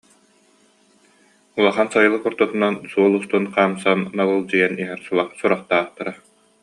Улахан сайылык ортотунан, суол устун хаамсан налылдьыйан иһэр сурахтаахтара